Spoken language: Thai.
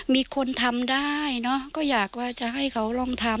มีคนทำได้เนอะก็อยากว่าจะให้เขาลองทำ